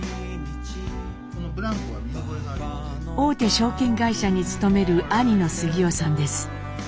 大手証券会社に勤める兄の杉男さんです。